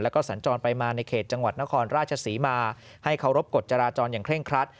แล้วก็สัญจรไปมาในเขตจังหวัดนครราชศรีมาให้เคารพกฎจราจรอย่างเคร่งครัด